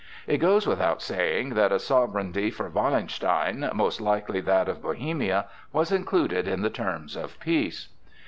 It goes without saying that a sovereignty for Wallenstein—most likely that of Bohemia—was included in the terms of peace.